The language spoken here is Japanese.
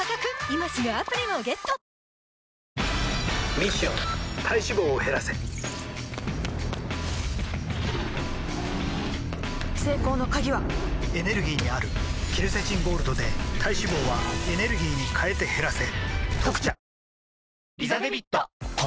ミッション体脂肪を減らせ成功の鍵はエネルギーにあるケルセチンゴールドで体脂肪はエネルギーに変えて減らせ「特茶」